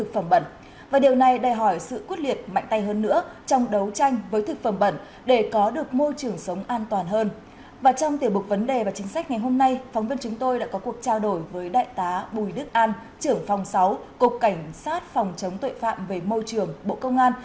cảnh sát phòng chống tội phạm về môi trường bộ công an